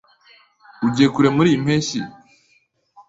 Ugiye kure muriyi mpeshyi?